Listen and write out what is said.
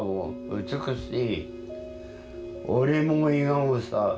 美しい俺も笑顔さ